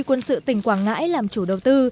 quân sự tỉnh quảng ngãi làm chủ đầu tư